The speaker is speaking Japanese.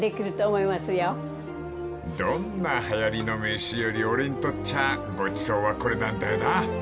［どんなはやりの飯より俺にとっちゃごちそうはこれなんだよな］